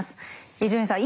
伊集院さん